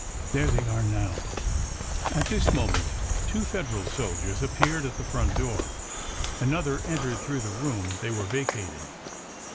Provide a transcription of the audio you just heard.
There they are now !" At this moment two Federal soldiers appeared at the front door, — another entered through the room they were vacating.